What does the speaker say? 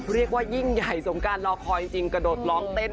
เรียกว่ายิ่งใหญ่สงการรอคอยจริงกระโดดร้องเต้น